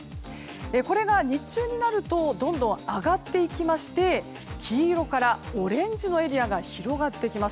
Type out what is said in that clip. これが日中になるとどんどん上がっていきまして黄色からオレンジのエリアが広がってきます。